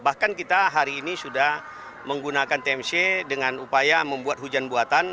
bahkan kita hari ini sudah menggunakan tmc dengan upaya membuat hujan buatan